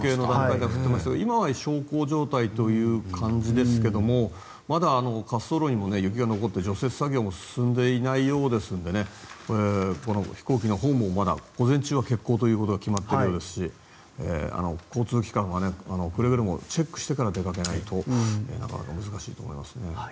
今は小康状態という感じですけどまだ滑走路にも雪が残って除雪作業も進んでいないようですので飛行機のほうもまだ午前中は欠航ということが決まっているようですし交通機関はくれぐれもチェックしてから出かけないとなかなか難しいと思いますね。